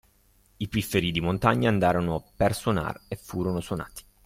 I pifferi di montagna andarono per suonar e furono suonati.